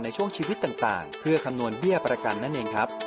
ในช่วงชีวิตต่างเพื่อคำนวณเบี้ยประกันนั่นเองครับ